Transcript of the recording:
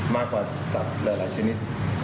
มากกว่าสัตว์หลายชนิด